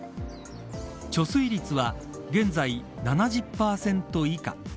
貯水率は現在７０％以下。